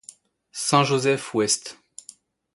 St-Joseph Ouest.